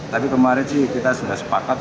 tapi kemarin sih kita sudah sepakat